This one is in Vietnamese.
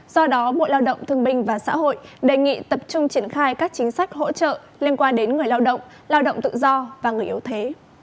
do đó bộ lao động thương binh và xã hội đề nghị tập trung triển khai các chính sách hỗ trợ liên quan đến người lao động lao động tự do và người yếu thế